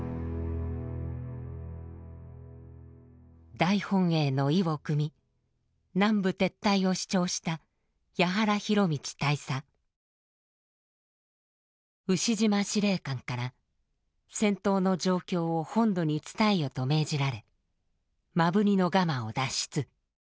大本営の意をくみ南部撤退を主張した牛島司令官から「戦闘の状況を本土に伝えよ」と命じられ摩文仁のガマを脱出。